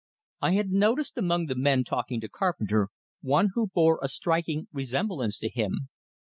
I had noticed among the men talking to Carpenter one who bore a striking resemblance to him.